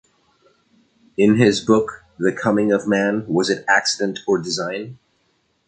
In his book The Coming of Man: Was it Accident or Design?